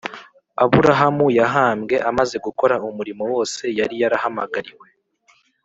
Aburahamu yahambwe amaze gukora umurimo wose yari yarahamagariwe